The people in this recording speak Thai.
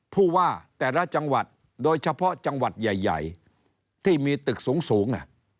ผู้ว่าแต่ละจังหวัดโดยเฉพาะจังหวัดใหญ่ที่มีตึกสูง